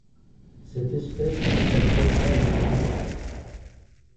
Cette espèce à la face dorsale brun gris.